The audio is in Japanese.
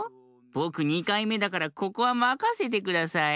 ぼく２かいめだからここはまかせてください。